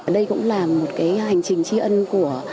đây cũng là một hành trình tri ân của